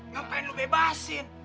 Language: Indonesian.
ngapain lu bebasin